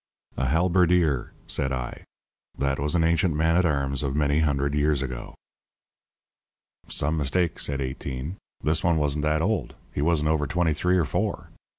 "A halberdier," said I. "That was an ancient man at arms of many hundred years ago." "Some mistake," said Eighteen. "This one wasn't that old. He wasn't over twenty three or four.